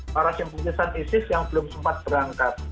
para simpatisan isis yang belum sempat berangkat